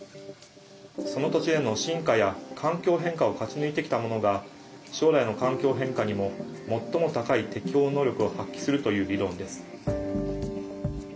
その土地での進化や環境変化を勝ち抜いてきたものが将来の環境変化にも最も高い適応能力を発揮するという理論です。